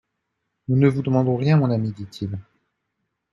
Nous ne vous demandons rien, mon ami, dit-il.